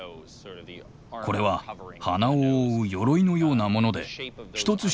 これは鼻を覆う鎧のようなもので一つ一つの形が違います。